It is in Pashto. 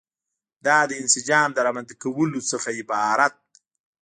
دا د انسجام د رامنځته کولو څخه عبارت دي.